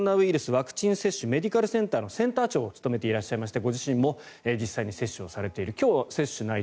ワクチン接種メディカルセンターのセンター長を務めていらっしゃいましてご自身も実際に接種をしていらっしゃる。